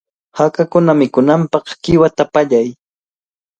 Hakakuna mikunanpaq qiwata pallay.